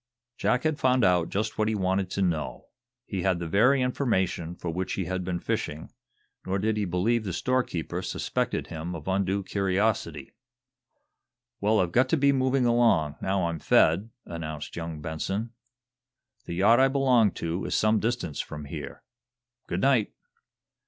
Jack had found out just what he wanted to know. He had the very information for which he had been fishing, nor did he believe the storekeeper suspected him of undue curiosity. "Well, I've got to be moving along, now I'm fed," announced young Benson. "The yacht I belong to is some distance from here. Good night!"